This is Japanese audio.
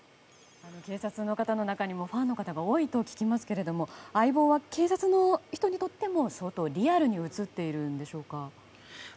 警察の方の中にもファンが多いと聞きますが「相棒」は警察の人にとっても相当リアルに映っているんでしょうか。